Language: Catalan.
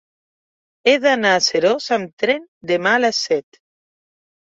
He d'anar a Seròs amb tren demà a les set.